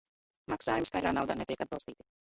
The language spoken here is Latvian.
Maks?jumi skaidr? naud? netiek atbalst?ti.